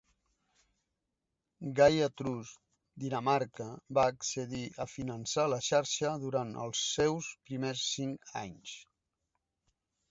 Gaia Trust, Dinamarca, va accedir a finançar la xarxa durant els seus primers cinc anys.